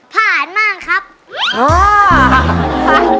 ผ่านมากครับ